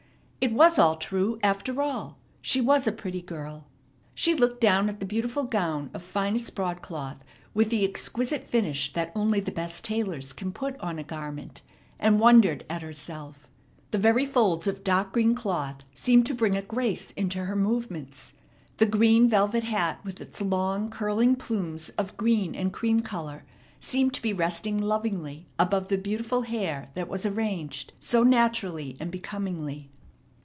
It was all true, after all. She was a pretty girl. She looked down at the beautiful gown of finest broadcloth, with the exquisite finish that only the best tailors can put on a garment, and wondered at herself. The very folds of dark green cloth seemed to bring a grace into her movements. The green velvet hat with its long curling plumes of green and cream color seemed to be resting lovingly above the beautiful hair that was arranged so naturally and becomingly.